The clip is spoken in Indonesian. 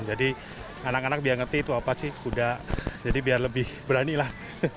jadi anak anak biar ngerti itu apa sih kuda jadi biar lebih berani lah